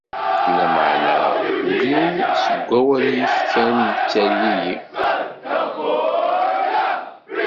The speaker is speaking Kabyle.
Lameɛna ul-iw, seg wawal-ik kan i yettergigi.